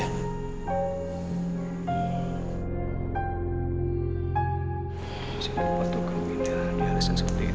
masih gak ada waktu kamu bisa di alasan seperti itu